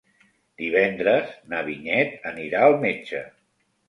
Divendres na Vinyet anirà al metge.